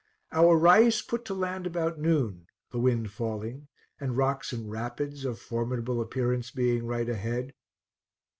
Our Rais put to land about noon, the wind falling, and rocks and rapids of formidable appearance being right ahead.